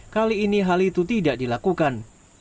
kali ini hal itu tidak dilakukan